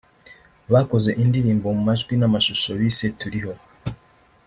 bakoze indirimbo mu majwi n’amashusho bise ‘Turiho’